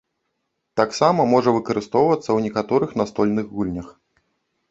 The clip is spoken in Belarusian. Таксама можа выкарыстоўвацца ў некаторых настольных гульнях.